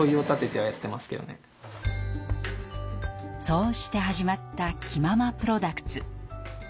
そうして始まった「キママプロダクツ」。